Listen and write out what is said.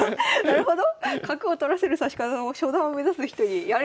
なるほど。